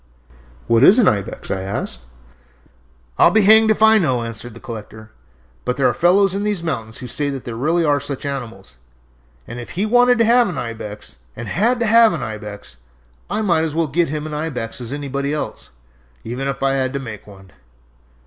"What is an ibex?" I asked. "I'll be hanged if I know," answered the collector. "But there are fellows in these mountains who say that there really are such animals, and if he wanted to have an ibex, and had to have an ibex, I might as well get him an ibex as anybody else, even if I had to make one.